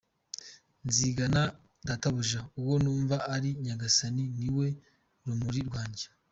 Nzigana Databuja, uwo numva ari Nyagasani, niwe rumuri rwanjye.